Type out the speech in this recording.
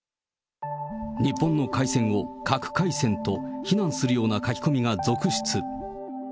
日本の海鮮を、核海鮮と非難するような書き込みが続出。